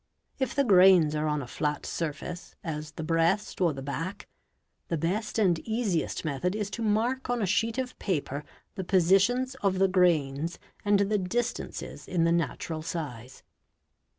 If the grains — are on a flat surface, as the breast or the back, the best and easiest — method is to mark on a sheet of paper the positions of the grains and the — distances in the natural size.